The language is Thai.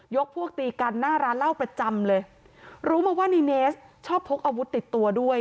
พวกตีกันหน้าร้านเหล้าประจำเลยรู้มาว่าในเนสชอบพกอาวุธติดตัวด้วย